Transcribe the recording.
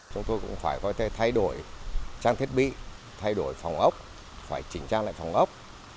chúng tôi cũng phải có thể thay đổi trang thiết bị thay đổi phòng ốc phải chỉnh trang lại phòng ốc